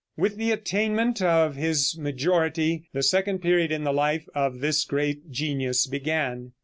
With the attainment of his majority the second period in the life of this great genius began.